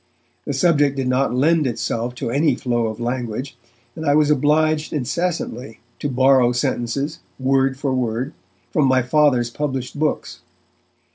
The subject did not lend itself to any flow of language, and I was obliged incessantly to borrow sentences, word for word, from my Father's published books.